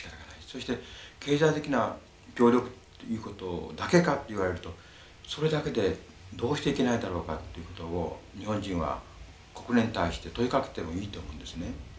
そして経済的な協力ということだけかと言われるとそれだけでどうしていけないんだろうかっていうことを日本人は国連に対して問いかけてもいいと思うんですね。